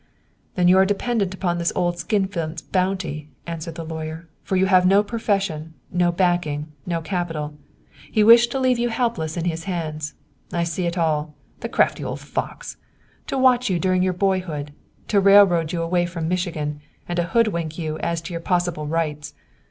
"Then you are dependent upon this old skinflint's bounty," answered the lawyer, "for you have no profession, no backing, no capital. He wished to leave you helpless in his hands; I see it all. The crafty old fox! To watch you during your boyhood, to railroad you away from Michigan, and to hoodwink you as to your possible rights.